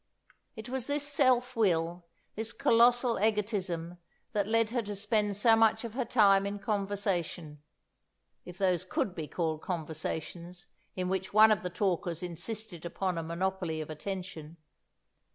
It was this self will, this colossal egotism that led her to spend so much of her time in conversation if those could be called conversations in which one of the talkers insisted upon a monopoly of attention.